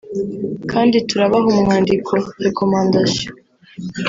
kandi turabaha urwandiko ( Recommandation)